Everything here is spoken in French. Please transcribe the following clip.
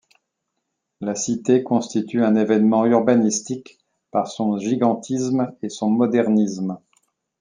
La cité constitue un évènement urbanistique par son gigantisme et son modernisme.